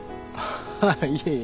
いえいえ。